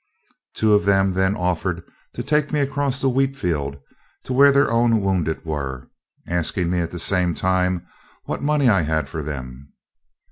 Two of them then offered to take me across the wheat field to where their own wounded were, asking me at the same time what money I had for them.